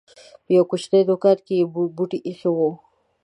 په يوه کوچنۍ دوکان کې یې بوټي اېښي وو.